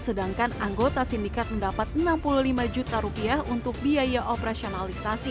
sedangkan anggota sindikat mendapat rp enam puluh lima juta rupiah untuk biaya operasionalisasi